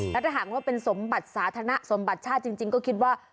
แล้วถ้าหากว่าเป็นสมบัติสาธารณะสมบัติชาติจริงก็คิดว่า